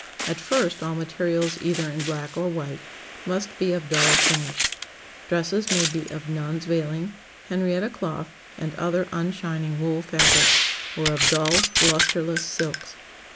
At first, all materials either in black or white, must be of dull finish. Dresses may be of nun's veiling, Henrietta cloth, and other unshining wool fabrics, or of dull, lusterless silks.